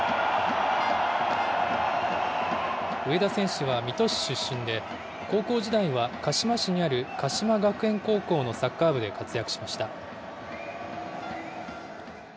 上田選手は水戸市出身で、高校時代は、鹿嶋市にある鹿島学園高校のサッカー部で活躍しました。